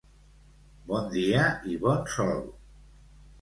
Bon dia i bon sol!